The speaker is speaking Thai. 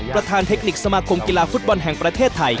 ประธานเทคนิคสมาคมกีฬาฟุตบอลแห่งประเทศไทย